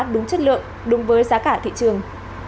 đúng chất lượng đúng với giá cả thị trường